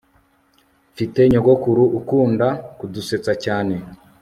mpfite nyogokuru ukunda kudusetsa cyane